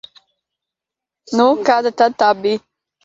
Nu, kāda tad tā bija?